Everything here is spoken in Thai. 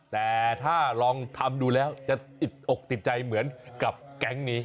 แต่ถ้าลองทำดูแล้วจะติดอกติดใจเหมือนกับแก๊งนี้